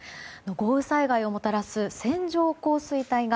豪雨災害をもたらす線状降水帯が